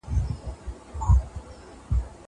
هیوادونه څنګه نړیوال قانون عملي کوي؟